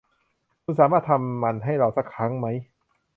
คุณสามารถทำมันให้เราสักครั้งมั้ย